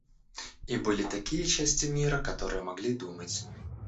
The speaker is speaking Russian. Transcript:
И были такие части мира, которые могли думать.